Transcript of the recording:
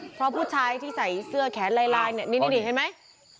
เพราะผู้ชายที่ใส่เสื้อแขนลายเนี่ยนี่เห็นไหม